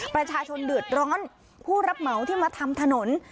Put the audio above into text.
ประชาชนเดือดร้อนผู้รับเหมาที่มาทำถนน